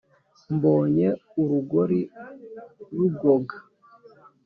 mbonye urugori rugoga,